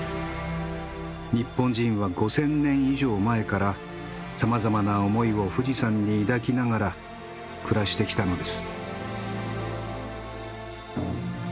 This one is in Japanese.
日本人は５，０００年以上前からさまざまな思いを富士山に抱きながら暮らしてきたのです。